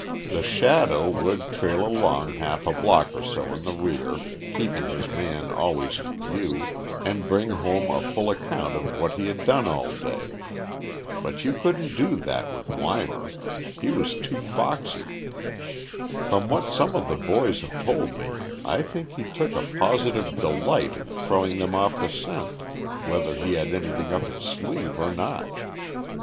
The "shadow" would trail along half a block or so in the rear, keeping his man always in view, and bring home a full account of what he had done all day. But you couldn't do that with Weimar he was too foxy. From what some of the boys have told me, I think he took a positive delight in throwing them off the scent, whether he had anything up his sleeve or not.